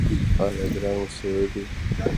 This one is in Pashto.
ایا ادرار مو سور دی؟